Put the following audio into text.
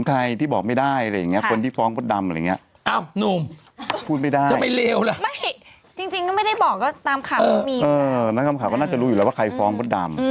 น่าจะรู้อยู่แล้วว่าใครฟ้องมดดำ